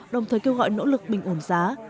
đồng thời kêu gọi nỗ lực bình ổn giá